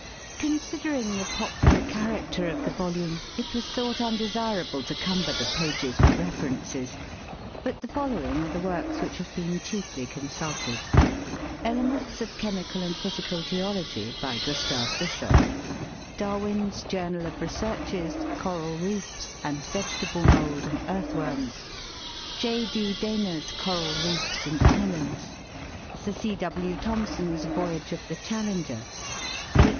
Considering the popular character of the volume, it was thought undesirable to cumber the pages with references, but the following are the works which have been chiefly consulted " Elements of Chemical and Physical Geology," by Gustav Bischof; Darwin's "Journal of Researches," "Coral Reefs," and "Vegetable Mould and Earthworms;" J. D. Dana's "Coral Reefs and Islands;" Sir C. W. Thomson's "Voyage of the Challenger ," H.